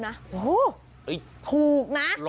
โอ้โหถูกนะ